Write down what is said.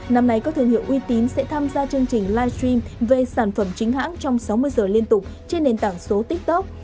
năm nay các thương hiệu uy tín sẽ tham gia chương trình livestream về sản phẩm chính hãng trong sáu mươi giờ liên tục trên nền tảng số tiktok